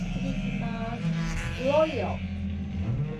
He was one of the last nationally prominent Whig office holders.